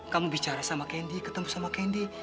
kamu bicara sama kendi ketemu sama kendi